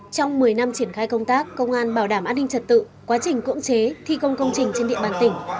trong một mươi năm triển khai công tác công an bảo đảm an ninh trật tự quá trình cưỡng chế thi công công trình trên địa bàn tỉnh